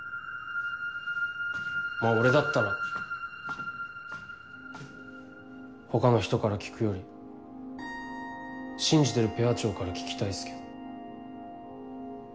まぁ俺だったら他の人から聞くより信じてるペア長から聞きたいっすけど。